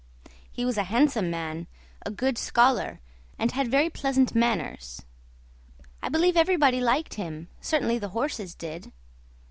He was a handsome man, a good scholar, and had very pleasant manners. I believe everybody liked him; certainly the horses did.